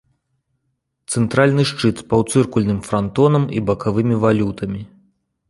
Цэнтральны шчыт з паўцыркульным франтонам і бакавымі валютамі.